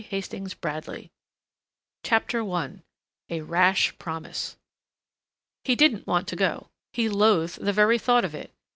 THE PAINTED CASE CHAPTER I A RASH PROMISE He didn't want to go. He loathed the very thought of it.